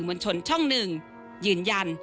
ไม่ได้ตั้งใจ